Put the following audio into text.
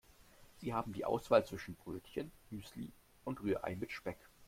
Sie haben die Auswahl zwischen Brötchen, Müsli und Rührei mit Speck.